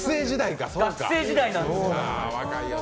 学生時代なんですよ。